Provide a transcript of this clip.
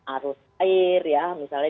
arus air ya misalnya